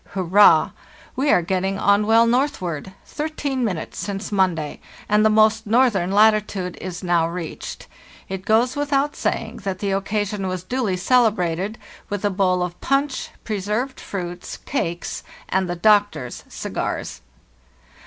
Hurrah! THE NEW YEAR, 1895 61 We are getting on well northward — thirteen minutes since Monday—and the most northern latitude is now reached. It goes without saying that the occasion was duly celebrated with a bowl of punch, preserved fruits, cakes, and the doctor's cigars.